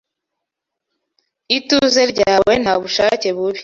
ituze ryawe nta bushake bubi